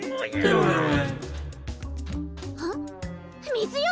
水よ！